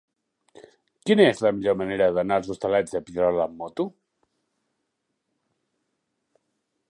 Quina és la millor manera d'anar als Hostalets de Pierola amb moto?